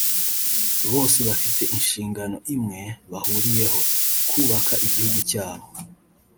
bose bafite inshingano imwe bahuriyeho – kubaka igihugu cyabo